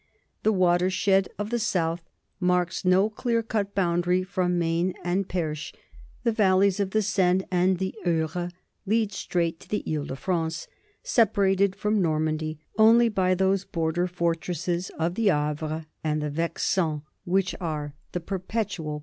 The watershed of the south marks no clear cut boundary from Maine and Perche; the valleys of the Seine and the Eure lead straight to the Ile de France, separated from Normandy only by those border for tresses of theAvre and the Vexin which are the perpetual , J La France, p.